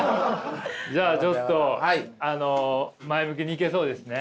じゃあちょっとあの前向きにいけそうですね？